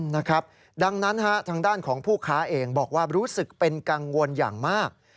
นะครับดังนั้นฮะทางด้านของผู้ค้าเองบอกว่ารู้สึกเป็นกังวลอย่างมาก